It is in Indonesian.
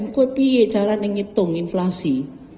kok pilih cara menghitung inflasi